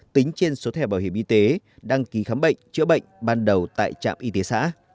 tính trên số thẻ bảo hiểm y tế đăng ký khám bệnh chữa bệnh ban đầu tại trạm y tế xã